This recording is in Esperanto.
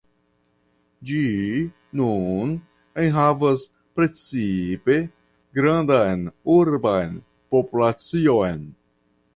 Ĝi nun enhavas precipe grandan urban populacion.